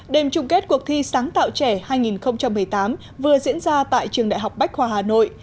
đêm chung kết cuộc thi sáng tạo trẻ hai nghìn một mươi tám vừa diễn ra tại trường đại học bách khoa hà nội